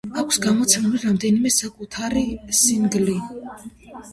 აქვს გამოცემული რამდენიმე საკუთარი სინგლი.